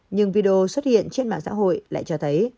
nhưng video xuất hiện trên mạng xã hội lại cho thấy